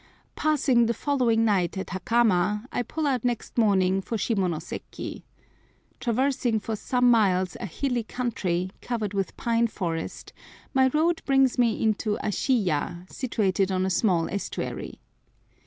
Passing the following night at Hakama, I pull out next morning for Shimonoseki. Traversing for some miles a hilly country, covered with pine forest, my road brings me into Ashiyah, situated on a small estuary.